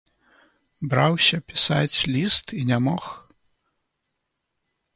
Браўся пісаць ліст і не мог.